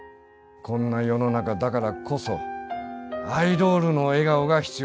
こんな世の中だからこそアイドールの笑顔が必要なんだよ。